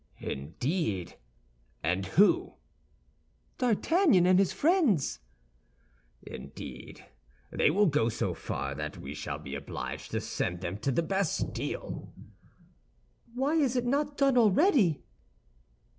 "Indeed! And who?" "D'Artagnan and his friends." "Indeed, they will go so far that we shall be obliged to send them to the Bastille." "Why is it not done already?"